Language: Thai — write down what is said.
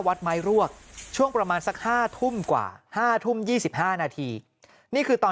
วัดไม้รวกช่วงประมาณสัก๕ทุ่มกว่า๕ทุ่ม๒๕นาทีนี่คือตอน